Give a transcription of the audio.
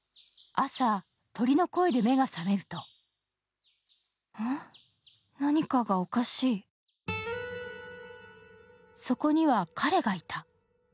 朝、鳥の声で目が覚めるとそこには彼がいた。